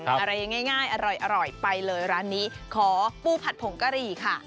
อะไรง่ายอร่อยไปเลยร้านนี้ขอปูผัดผงกะหรี่ค่ะ